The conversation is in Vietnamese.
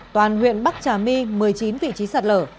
toàn huyện bắc trà my một mươi chín vị trí sạt lở